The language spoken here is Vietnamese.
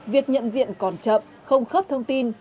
việc nhận diện còn chậm không khớp thông tin